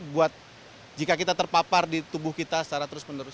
buat jika kita terpapar di tubuh kita secara terus menerus